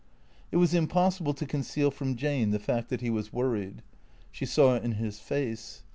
It was impossible to conceal from Jane the fact that he was worried. She saw it in his face.